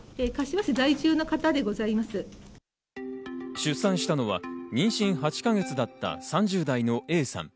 出産したのは妊娠８か月だった３０代のＡさん。